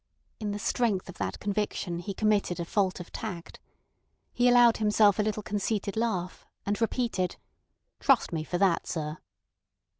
In the strength of that conviction he committed a fault of tact. He allowed himself a little conceited laugh, and repeated: "Trust me for that, sir."